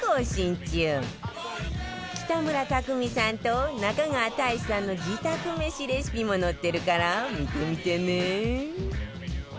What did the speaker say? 北村匠海さんと中川大志さんの自宅めしレシピも載ってるから見てみてね